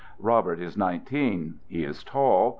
Robert is nineteen. He is tall.